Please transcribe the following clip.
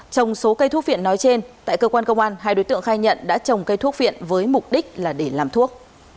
trong số cây thuốc viện nói trên tại cơ quan công an hai đối tượng khai nhận đã trồng cây thuốc viện với mục đích là để làm thuốc